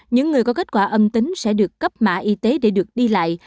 những người có kết quả âm tính sẽ được cấp mã y tế để được đi lại